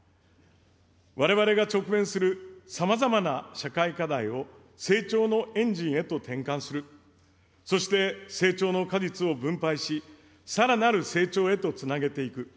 われわれが直面するさまざまな社会課題を成長のエンジンへと転換する、そして成長の果実を分配し、さらなる成長へとつなげていく。